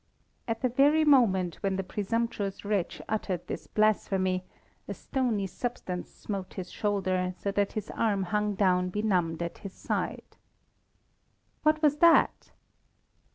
At the very moment when the presumptuous wretch uttered this blasphemy, a stony substance smote his shoulder, so that his arm hung down benumbed at his side. What was that?